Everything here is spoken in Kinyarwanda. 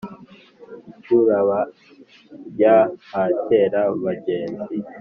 i cyirubaya ha cyera-bagenzi.